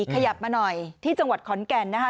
ขยับมาหน่อยที่จังหวัดขอนแก่นนะคะ